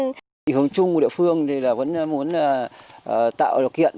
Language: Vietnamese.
hướng chung của địa phương thì là vẫn muốn tạo điều kiện